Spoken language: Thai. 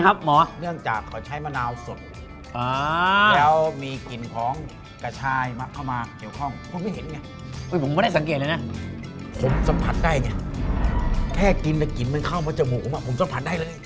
แค่กินและกลิ่นเข้ามาจนจมูกผมอ่ะผมสัมผัสได้เลย